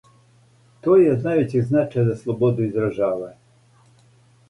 То је од највећег значаја за слободу изражавања.